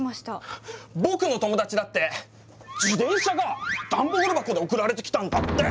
僕の友達だって自転車がダンボール箱で送られてきたんだって！